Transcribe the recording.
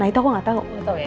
nah itu aku gak tau